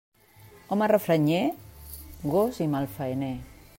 Home refranyer, gos i malfaener.